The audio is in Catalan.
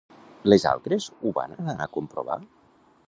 Les altres ho van anar a comprovar?